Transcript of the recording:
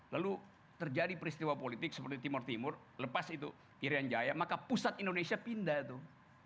lalu terjadi peristiwa politik seperti timur timur lepas itu irian jaya maka pusat indonesia pindah tuh